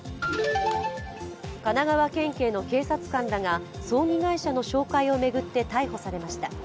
神奈川県警の警察官らが葬儀会社の紹介を巡って逮捕されました。